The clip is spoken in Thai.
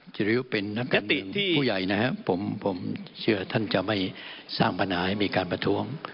จิริยุเป็นนักยติที่ผู้ใหญ่นะครับผมเชื่อท่านจะไม่สร้างปัญหาให้มีการประท้วง